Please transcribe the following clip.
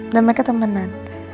dan mereka temenan